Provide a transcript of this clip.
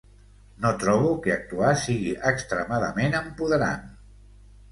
No trobo que actuar sigui extremadament empoderant.